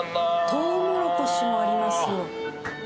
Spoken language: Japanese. トウモロコシもありますよ。